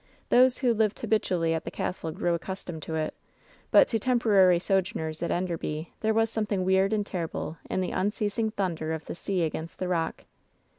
Those who lived habitually at the castle grew accustomed to it, but to temporary sojourners at Enderby there was some thing weird and terrible in the unceasing thunder of the •sea against the rock.